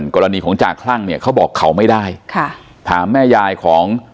กรณีของจ่าคลั่งเนี่ยเขาบอกเขาไม่ได้ค่ะถามแม่ยายของ